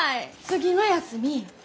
次の休み